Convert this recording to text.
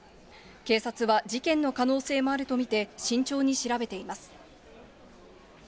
警察は事件の可能性もあると見て、慎重に調べています。